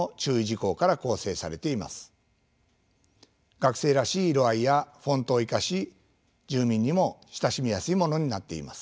学生らしい色合いやフォントを生かし住民にも親しみやすいものになっています。